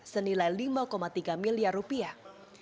senilai lima tiga miliar rupiah